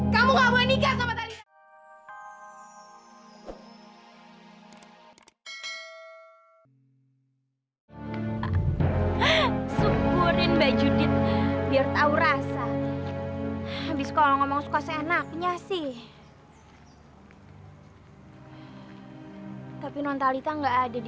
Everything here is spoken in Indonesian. kamu gak mau nikah sama talita